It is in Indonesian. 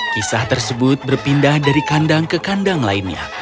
kisah tersebut berpindah dari kandang ke kandang lainnya